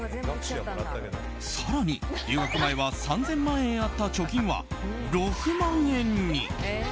更に、留学前は３０００万円あった貯金は６万円に。